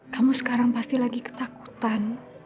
kamu sekarang pasti lagi ketakutan